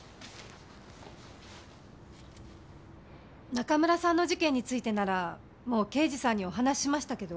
中村さんの事件についてならもう刑事さんにお話ししましたけど。